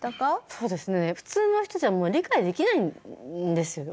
そうですね普通の人じゃもう理解できないんですよね。